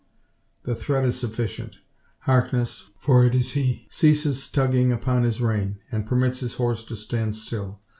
The threat is sufficient. Harkness for it is he ceases tugging upon his rein, and permits his horse to stand still.